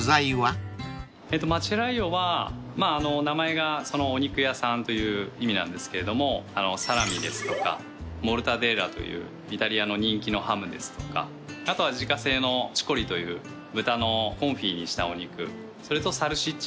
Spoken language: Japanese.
マチェライオは名前がお肉屋さんという意味なんですけれどもサラミですとかモルタデッラというイタリアの人気のハムですとかあとは自家製のチコリという豚のコンフィにしたお肉それとサルシッチャ。